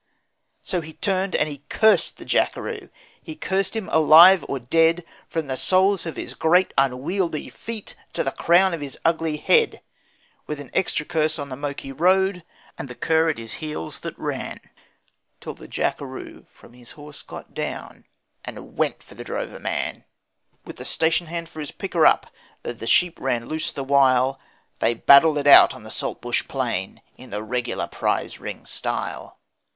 So he turned and he cursed the Jackaroo, he cursed him alive or dead, From the soles of his great unwieldy feet to the crown of his ugly head, With an extra curse on the moke he rode and the cur at his heels that ran, Till the Jackaroo from his horse got down and he went for the drover man; With the station hand for his picker up, though the sheep ran loose the while, They battled it out on the saltbush plain in the regular prize ring style.